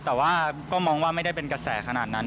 แต่ว่าก็มองว่าไม่ได้เป็นกระแสขนาดนั้น